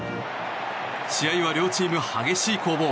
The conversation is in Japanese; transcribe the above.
試合は両チーム激しい攻防。